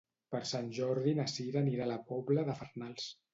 Per Sant Jordi na Sira anirà a la Pobla de Farnals.